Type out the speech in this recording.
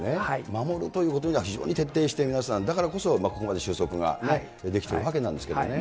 守るということは非常に徹底して、皆さん、だからこそここまで収束ができてるわけなんですけどね。